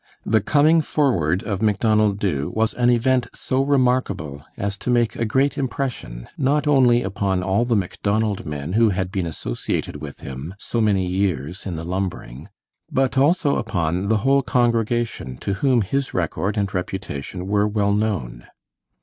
The "coming forward" of Macdonald Dubh was an event so remarkable as to make a great impression not only upon all the Macdonald men who had been associated with him so many years in the lumbering, but also upon the whole congregation, to whom his record and reputation were well known.